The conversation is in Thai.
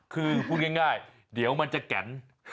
คือพูดง่ายเดี๋ยวมันจะแก่น